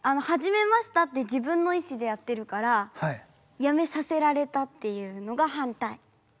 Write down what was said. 「はじめました」って自分の意志でやってるから「やめさせられた」っていうのが反対。